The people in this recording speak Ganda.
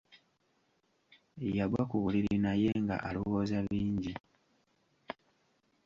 Yagwa ku buliri naye nga alowooza bingi.